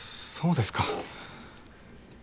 そうですか。